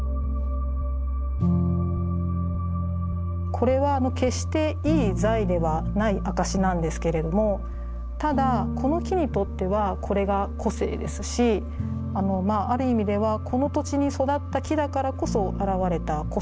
これはあの決していい材ではない証しなんですけれどもただこの木にとってはこれが個性ですしあのまあある意味ではこの土地に育った木だからこそあらわれた個性だといえるんですね。